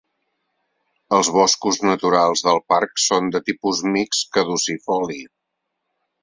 Els boscos naturals del parc són de tipus mixt caducifoli.